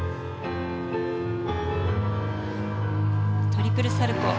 トリプルサルコウ。